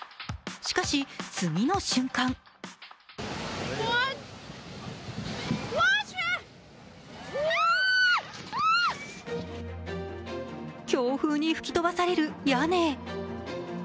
しかし次の瞬間強風に吹き飛ばされる屋根。